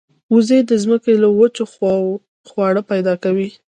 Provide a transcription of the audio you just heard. وزې د زمکې له وچو خواوو خواړه پیدا کوي